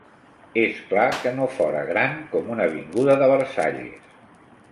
És clar que no fóra gran com una avinguda de Versalles